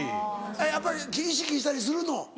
やっぱり意識したりするの？